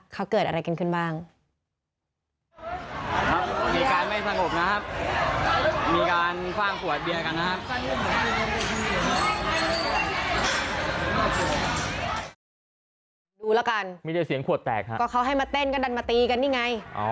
เขาให้มาเต้นกันดันตีกันนี่ไง